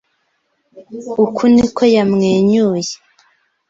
Uku niko yamwenyuye